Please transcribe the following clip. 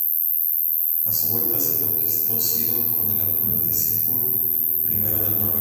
A su vuelta, se conquistó Sidón con el apoyo de Sigurd I de Noruega.